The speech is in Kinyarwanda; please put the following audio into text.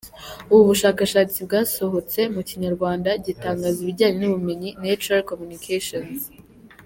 Ubu bushakashatsi bwasohotse mu kinyamakuru gitangaza ibijyanye n’ubumenyi, Nature Communications.